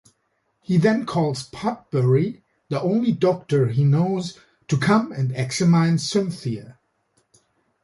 He then calls Potbury, the only doctor he knows, to come and examine Cynthia.